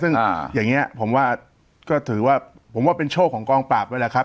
ซึ่งอย่างนี้ผมว่าก็ถือว่าผมว่าเป็นโชคของกองปราบไว้แหละครับ